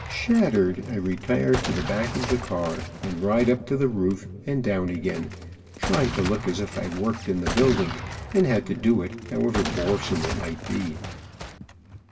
Shattered, I retire to the back of the car and ride up to the roof and down again, trying to look as if I worked in the building and had to do it, however boresome it might be.